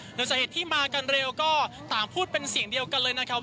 หลังจากที่มากันเร็วก็ต่างพูดเป็นเสียงเดียวกันเลยนะครับ